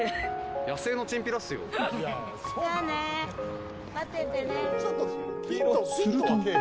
野生のチンピラっすよ。